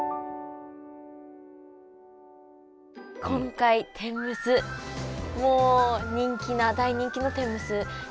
今回天むすもう人気な大人気の天むす。